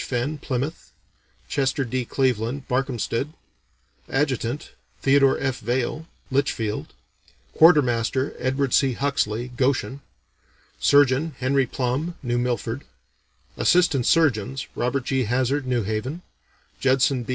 Fenn, Plymouth; Chester D. Cleveland, Barkhamsted; adjutant, Theodore F. Vaill, Litchfield; quartermaster, Edward C. Huxley, Goshen; surgeon, Henry Plumb, New Milford; assistant surgeons, Robert G. Hazzard, New Haven; Judson B.